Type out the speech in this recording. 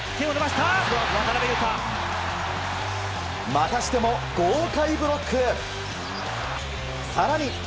またしても豪快ブロック。